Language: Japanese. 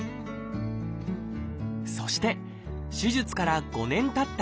そして手術から５年たった